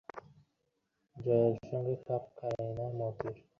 জয়ার সঙ্গে খাপ খায় না মতির।